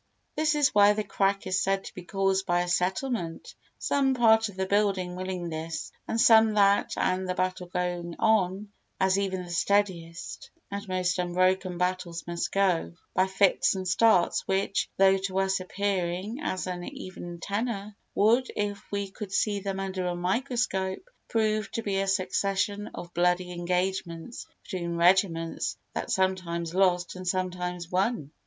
This is why the crack is said to be caused by a settlement—some parts of the building willing this and some that, and the battle going on, as even the steadiest and most unbroken battles must go, by fits and starts which, though to us appearing as an even tenor, would, if we could see them under a microscope, prove to be a succession of bloody engagements between regiments that sometimes lost and sometimes won.